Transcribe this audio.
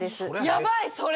やばいそれ！